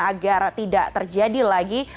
agar tidak terjadi lagi